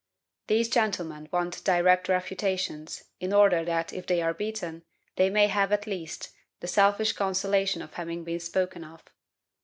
These gentlemen want direct refutations, in order that, if they are beaten, they may have, at least, the selfish consolation of having been spoken of.